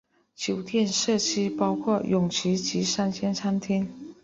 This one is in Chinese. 酒店设施包括泳池及三间餐厅。